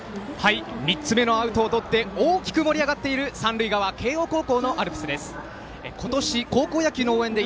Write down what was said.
３つ目のアウトをとって大きく盛り上がっている三塁側慶応高校のアルプスです。